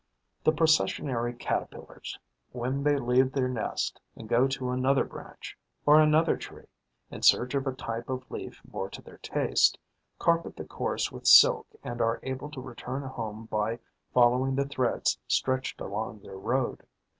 The Processionary Caterpillars, when they leave their nest and go to another branch, on another tree, in search of a type of leaf more to their taste, carpet the course with silk and are able to return home by following the threads stretched along their road.